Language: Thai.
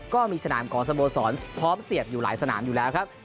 ก็มีสนามของสโมสรพร้อมเสียบอยู่หลายสนามอยู่แล้วครับ